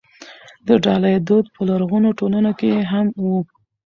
د ډالۍ دود په لرغونو ټولنو کې هم و.